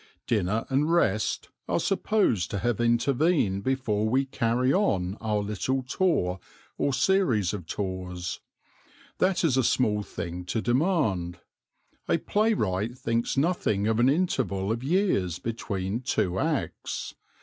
Dinner and rest are supposed to have intervened before we carry on our little tour or series of tours. That is a small thing to demand. A playwright thinks nothing of an interval of years between two acts.